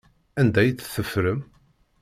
Anda ay tt-teffrem?